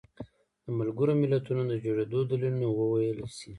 د ملګرو ملتونو د جوړېدو دلیلونه وویلی شي.